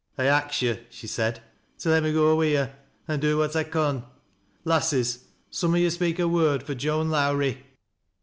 " I ax yo'," she said, " to let me go wi' yo' and do what I con. Lasses, some on yo' speak a word fui' Joaa Lowrie